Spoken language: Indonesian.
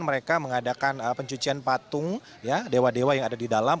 mereka mengadakan pencucian patung dewa dewa yang ada di dalam